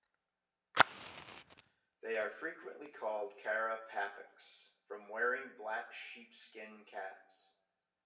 They are frequently called Kara Papaks, from wearing black sheep-skin caps.